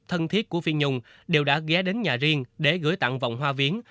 thân thiết của phi nhung đều đã ghé đến nhà riêng để gửi tặng vòng hoa viếng